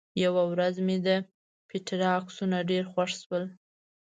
یوه ورځ مې د پېټرا عکسونه ډېر خوښ شول.